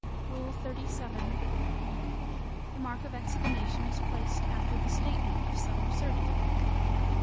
XXXVII. The mark of exclamation is placed after the statement of some absurdity.